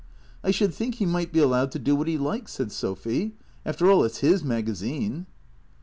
" I should think he might be allowed to do what he likes," said Sophy. "After all, it's his magazine."